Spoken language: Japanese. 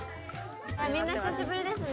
みんな久しぶりですね。